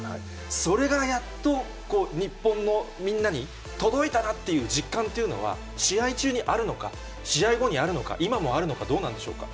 それがやっと、日本のみんなに届いたなっていう実感っていうのは、試合中にあるのか、試合後にあるのか、今もあるのか、どうなんでしょうか。